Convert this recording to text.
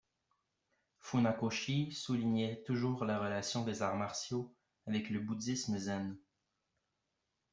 Funakoshi soulignait toujours la relation des arts martiaux avec le Bouddhisme-Zen.